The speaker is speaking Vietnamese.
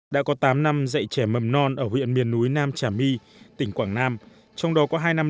đã có tám năm dạy trẻ mầm non ở huyện miền núi nam trà my tỉnh quảng nam trong đó có hai năm